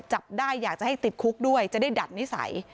จับได้อยากจะให้ติดคุกด้วยจะได้ดัดนิสัย